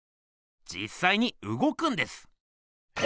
じっさいにうごくんです。え？